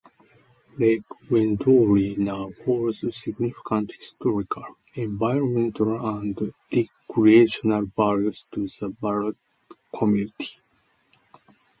Lake Wendouree now holds significant historical, environmental and recreational values to the Ballarat community.